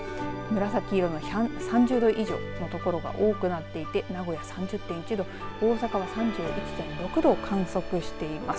紫色の３０度以上のところが多くなっていて名古屋３０．１度大阪も３１．６度を観測しています。